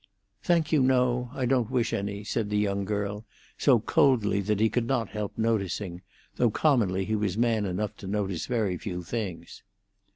"Thank you, no; I don't wish any," said the young girl, so coldly that he could not help noticing, though commonly he was man enough to notice very few things.